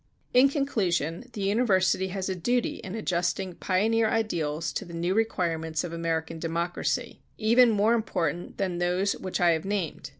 In conclusion, the university has a duty in adjusting pioneer ideals to the new requirements of American democracy, even more important than those which I have named.